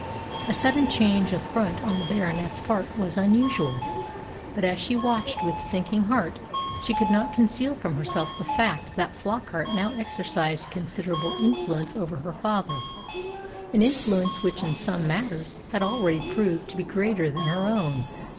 A sudden change of front on the Baronet's part was unusual; but as she watched with sinking heart she could not conceal from herself the fact that Flockart now exercised considerable influence over her father an influence which in some matters had already proved to be greater than her own.